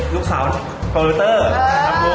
ลูกสาวโครงโพสเตอร์